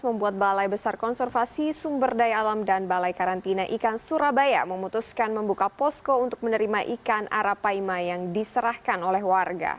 membuat balai besar konservasi sumber daya alam dan balai karantina ikan surabaya memutuskan membuka posko untuk menerima ikan arapaima yang diserahkan oleh warga